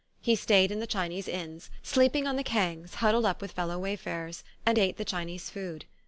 He stayed in the Chinese inns, sleeping on the kangs huddled up with fellow wayfarers, and ate the Chinese food.